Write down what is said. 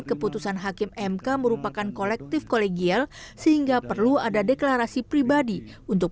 keputusan hakim mk merupakan kolektif kolegial sehingga perlu ada deklarasi pribadi untuk